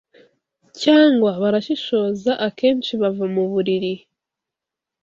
Cyangwa barashishoza akenshi bava muburiri